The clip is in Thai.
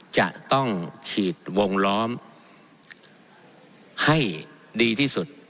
จะต้องฉีดวงล้อมให้ดีที่สุด